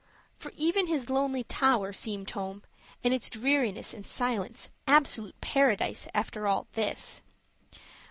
for even his lonely tower seemed home, and its dreariness and silence absolute paradise after all this.